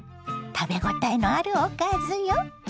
食べ応えのあるおかずよ。